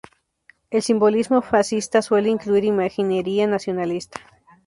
El simbolismo fascista suele incluir imaginería nacionalista.